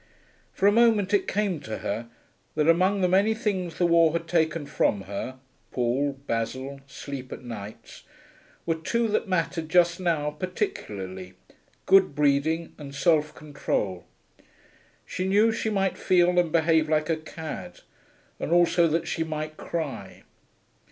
For a moment it came to her that among the many things the war had taken from her (Paul, Basil, sleep at nights) were two that mattered just now particularly good breeding, and self control. She knew she might feel and behave like a cad, and also that she might cry.